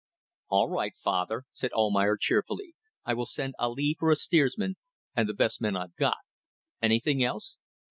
"All right, father," said Almayer, cheerfully "I will send Ali for a steersman, and the best men I've got. Anything else?"